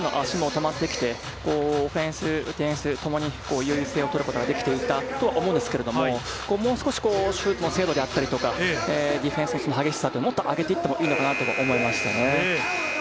台湾の足も止まってきて、オフェンス、ディフェンスともに優位性を取ることができていたとは思うんですけれども、もう少しシュートの精度であったり、ディフェンスの激しさをもっと上げていってもいいのかなと思いましたね。